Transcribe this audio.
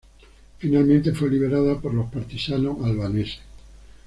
Finalmente fue liberada por los partisanos albaneses.